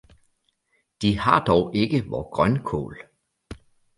De har dog ikke vor grønkål!